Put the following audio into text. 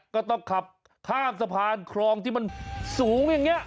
ก็ต้องขับข้ามสะพานครองที่มันสูงอย่างนี้